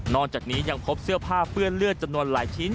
จากนี้ยังพบเสื้อผ้าเปื้อนเลือดจำนวนหลายชิ้น